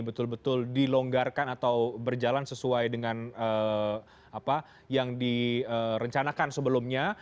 betul betul dilonggarkan atau berjalan sesuai dengan apa yang direncanakan sebelumnya